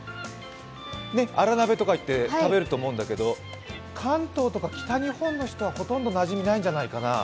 アラ鍋とかいって食べると思うんだけど関東とか北日本の人はほとんどなじみがないんじゃないかな。